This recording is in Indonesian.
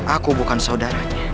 aku bukan saudaranya